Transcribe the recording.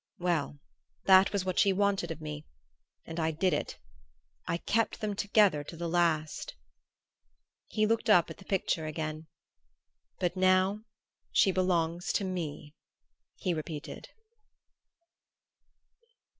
Well that was what she wanted of me and I did it I kept them together to the last!" He looked up at the picture again. "But now she belongs to me," he repeated....